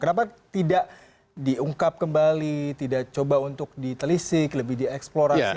kenapa tidak diungkap kembali tidak coba untuk ditelisik lebih dieksplorasi